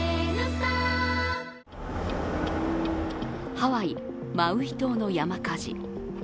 ハワイ・マウイ島の山火事。